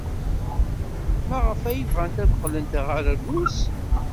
Maɣef ay bɣant ad qqlent ɣer Rrus?